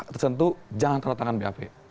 tentu jangan tanda tangan bkp